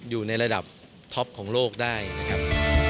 อยู่ในระดับท็อปของโลกได้นะครับ